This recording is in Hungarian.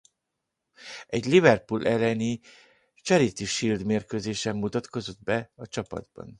Egy Liverpool elleni Charity Shield mérkőzésen mutatkozott be a csapatban.